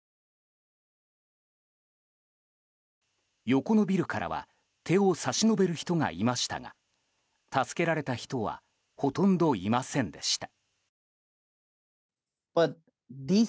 横のビルからは手を差し伸べる人がいましたが助けられた人はほとんどいませんでした。